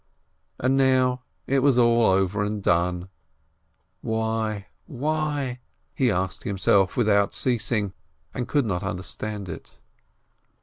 And now it was all over and done! "Why? Why?" he asked himself without ceasing, and could not under stand it.